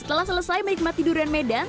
setelah selesai menikmati durian medan